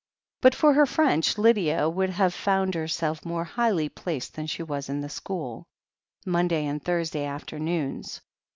But for her French, Lydia would have found her self more highly placed than she was in the school. Monday and Thursday afternoons.